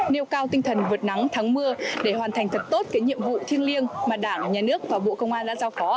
nêu cao tinh thần vượt nắng thắng mưa để hoàn thành thật tốt cái nhiệm vụ thiêng liêng mà đảng nhà nước và bộ công an đã giao phó